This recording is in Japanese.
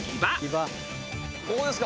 ここですか？